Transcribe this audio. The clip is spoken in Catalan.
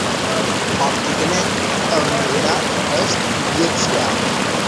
Òpticament, el mineral és biaxial.